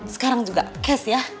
sekarang juga cash ya